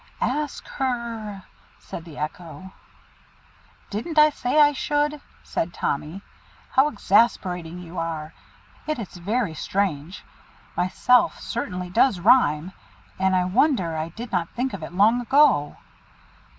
"Ask her!" said the Echo. "Didn't I say I should?" said Tommy. "How exasperating you are! It is very strange. Myself certainly does rhyme, and I wonder I did not think of it long ago."